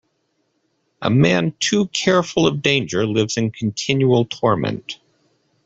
A man too careful of danger lives in continual torment.